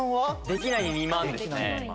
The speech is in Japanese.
「できない」に２万ですね。